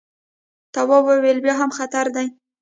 تواب وويل: بیا هم خطر دی.